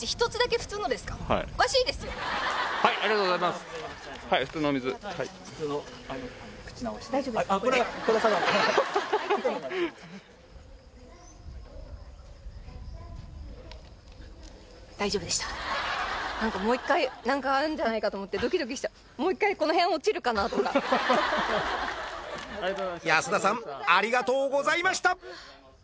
普通のお口直しでもう一回何かあるんじゃないかと思ってドキドキしちゃう保田さんありがとうございました！